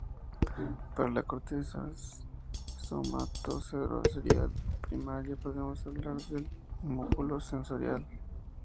Para la corteza somatosensorial primaria, podemos hablar del homúnculo sensorial.